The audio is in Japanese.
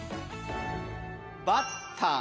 バッター。